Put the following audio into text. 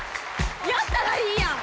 やったらいいやん！